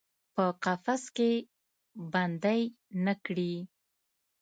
په قفس کې بندۍ نه کړي